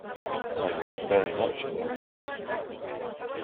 I was very much in earnest.